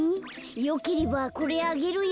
よければこれあげるよ。